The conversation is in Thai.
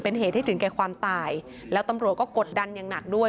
เป็นเหตุให้ถึงแก่ความตายแล้วตำรวจก็กดดันอย่างหนักด้วย